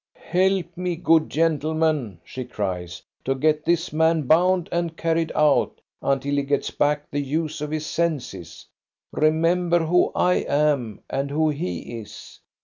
"Help me, good gentlemen," she cries, "to get this man bound and carried out, until he gets back the use of his senses. Remember who I am and who he is!